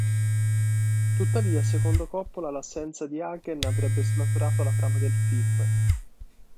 Tuttavia secondo Coppola l'assenza di Hagen avrebbe snaturato la trama del film.